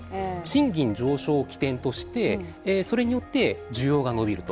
賃金上昇を起点としてそれによって需要が伸びる。